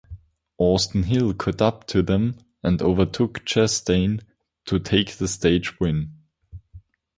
Austin Hill caught up to them and overtook Chastain to take the stage win.